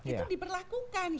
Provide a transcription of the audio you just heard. itu diberlakukan gitu